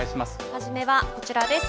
初めはこちらです。